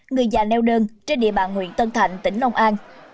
người già neo đơn trên địa bàn huyện tân thạnh tỉnh long an